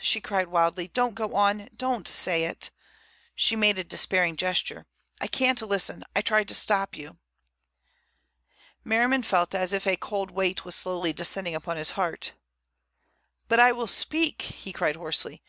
she cried wildly. "Don't go on! Don't say it!" She made a despairing gesture. "I can't listen. I tried to stop you." Merriman felt as if a cold weight was slowly descending upon his heart. "But I will speak," he cried hoarsely.